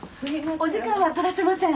お時間は取らせません。